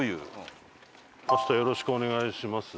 「明日よろしくお願いします」。